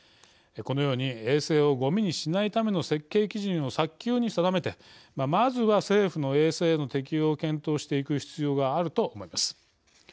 このように衛星をごみにしないための設計基準を早急に定めてまずは政府の衛星への適用を検討していく必要があると思います。